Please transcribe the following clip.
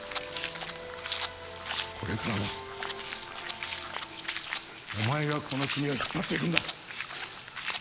これからはお前がこの国を引っ張っていくんだ